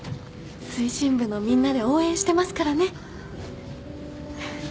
推進部のみんなで応援してますからね。